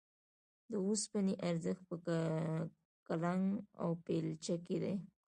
د اوسپنې ارزښت په کلنګ او بېلچه کې دی